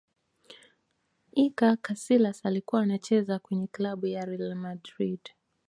iker casilas alikuwa anacheza kwenye klabu ya real madrid